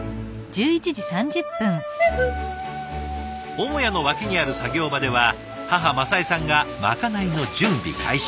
母屋の脇にある作業場では母政江さんがまかないの準備開始。